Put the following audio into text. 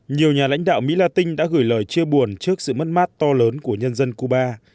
nhiều nhà lãnh đạo mỹ la tinh đã gửi lời chia buồn trước sự mất mát to lớn của nhân dân cuba